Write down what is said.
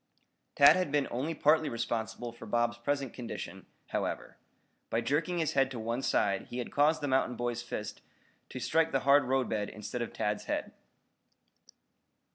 Tad had been only partly responsible for Bob's present condition, however. By jerking his head to one side he had caused the mountain boy's fist to strike the hard roadbed instead of Tad's head.